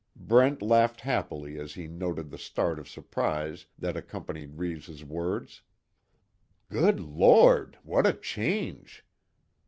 Brent laughed happily as he noted the start of surprise that accompanied Reeves' words: "Good Lord! What a change!"